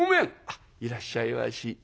「あっいらっしゃいまし」。